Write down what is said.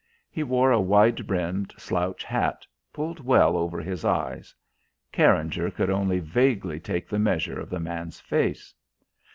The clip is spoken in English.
He wore a wide brimmed slouch hat, pulled well over his eyes. Carringer could only vaguely take the measure of the man's face.